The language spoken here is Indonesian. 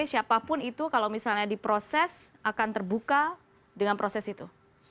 siapapun itu kalau misalnya diproses akan terbuka dengan proses itu